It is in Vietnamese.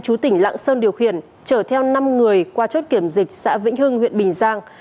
chú tỉnh lạng sơn điều khiển chở theo năm người qua chốt kiểm dịch xã vĩnh hưng huyện bình giang